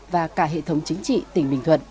và cả hệ thống chính trị tỉnh bình thuận